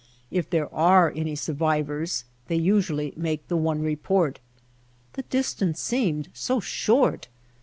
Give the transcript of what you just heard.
If there are any survivors they usually make the one report :^^ The dis tance seemed so short.